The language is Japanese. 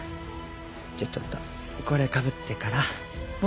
じゃちょっとこれかぶってから。